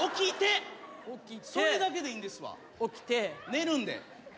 寝るんで。